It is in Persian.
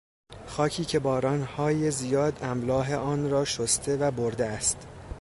خاکی که بارانهای زیاد املاح آن را شسته و برده است